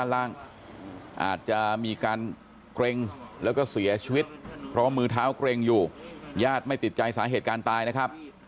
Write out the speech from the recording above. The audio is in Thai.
แล้วก็เสียชีวิตเพราะมือเท้าเกรงอยู่ญาติไม่ติดใจสาเหตุการณ์ตายนะครับ